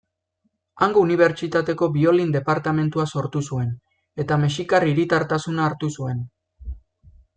Hango unibertsitateko biolin-departamentua sortu zuen, eta mexikar hiritartasuna hartu zuen.